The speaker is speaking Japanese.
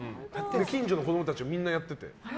近所の子供たちみんなやってて。